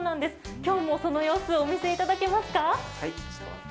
今日もその様子をお見せいただけますか。